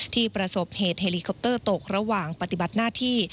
ประสบเหตุเฮลิคอปเตอร์ตกระหว่างปฏิบัติหน้าที่